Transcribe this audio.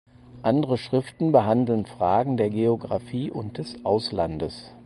Andere Schriften behandeln Fragen der Geographie und des Auslandes.